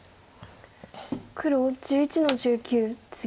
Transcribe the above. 黒１１の十九ツギ。